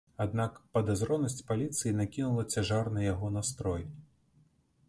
Аднак падазронасць паліцыі накінула цяжар на яго настрой.